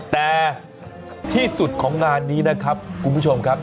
แต่ที่สุดของงานนี้นะครับคุณผู้ชมครับ